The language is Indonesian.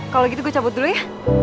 kalau gitu gue cabut dulu ya